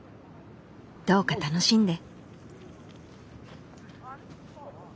どうか楽しんで！